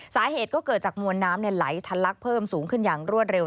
สาเหตุก็เกิดจากมวลน้ำไหลทะลักเพิ่มสูงขึ้นอย่างรวดเร็ว